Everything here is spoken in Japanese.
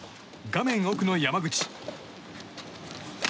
画面奥の山口。